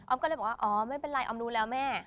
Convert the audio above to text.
ก็เลยบอกว่าอ๋อไม่เป็นไรออมรู้แล้วแม่